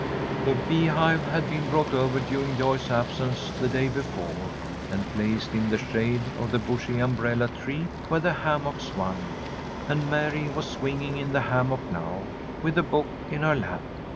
The beehive had been brought over during Joyce's absence the day before, and placed in the shade of the bushy umbrella tree where the hammock swung, and Mary was swinging in the hammock now, with a book in her lap.